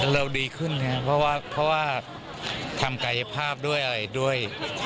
ดีขึ้นครับเพราะว่าทำกายภาพด้วยอะไรด้วย